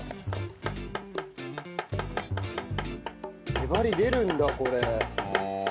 粘り出るんだこれ。